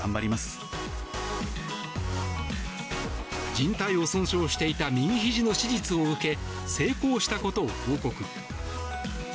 じん帯を損傷していた右ひじの手術を受け成功したことを報告。